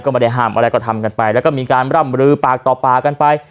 ก็ไม่ได้ห้ามอะไรก็ทำกันไปแล้วก็มีการร่ำลือปากต่อปากกันไป